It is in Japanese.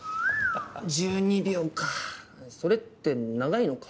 １２秒かそれって長いのか？